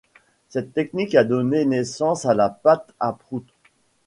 Cette technique a donné naissance à la pâte à prout.